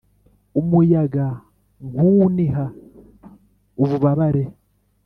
umuyaga, nkuwuniha ububabare